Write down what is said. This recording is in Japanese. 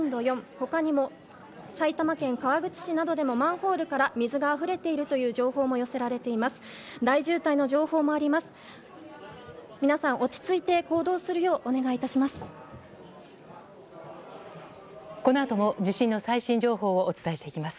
他にも埼玉県川口市などでもマンホールから水があふれているという情報も寄せられています。